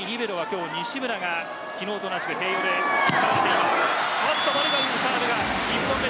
今日、西村が昨日と同じく併用で使われています。